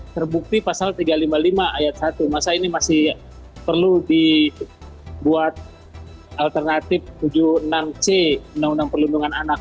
terbukti pasal tiga ratus lima puluh lima ayat satu masa ini masih perlu dibuat alternatif tujuh puluh enam c undang undang perlindungan anak